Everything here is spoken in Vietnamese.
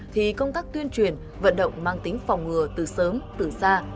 thì công tác tuyên truyền vận động mang tính phòng ngừa từ sớm từ xa